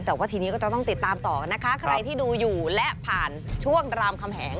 แต่ว่าทีนี้ก็จะต้องติดตามต่อนะคะใครที่ดูอยู่และผ่านช่วงรามคำแหง